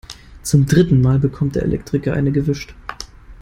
Zum dritten Mal bekommt der Elektriker eine gewischt.